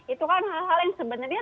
itu kan hal hal yang sebenarnya